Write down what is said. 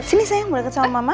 sini sayang boleh kesama mama